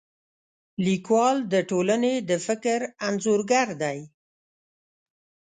لیکوال د ټولنې د فکر انځورګر دی.